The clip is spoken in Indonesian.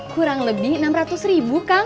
kurang lebih rp enam ratus kang